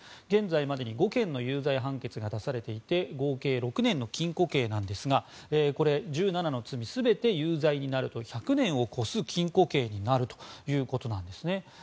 現在までに５件の有罪判決が出されていて合計６年の禁錮刑なんですが１７の罪全て有罪になると１００年を超す禁錮刑になるということなんですね。